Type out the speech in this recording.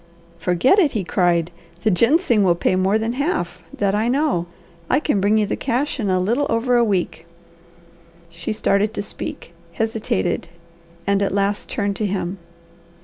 "Forget it!" he cried. "The ginseng will pay more than half; that I know. I can bring you the cash in a little over a week." She started to speak, hesitated, and at last turned to him.